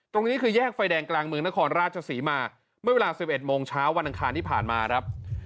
ตรงนี้คือแยกไฟแดงกลางเมืองนครราชศรีมาเมื่อเวลา๑๑โมงเช้าวันอังคารที่ผ่านมาครับ